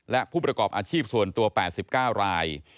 และผู้ประกอบอาชีพส่วนตัว๘๙ราย